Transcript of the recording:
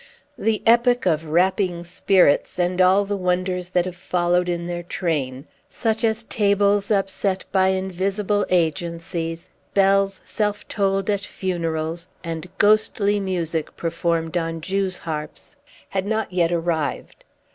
The epoch of rapping spirits, and all the wonders that have followed in their train, such as tables upset by invisible agencies, bells self tolled at funerals, and ghostly music performed on jew's harps, had not yet arrived.